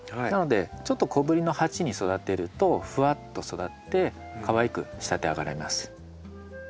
なのでちょっと小ぶりの鉢に育てるとふわっと育ってかわいく仕立て上げられます。